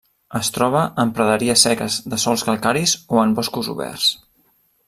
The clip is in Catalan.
Es troba en praderies seques de sòls calcaris o en boscos oberts.